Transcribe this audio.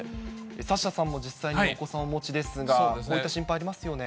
サッシャさんも実際にお子さんをお持ちですが、こういった心配ありますよね。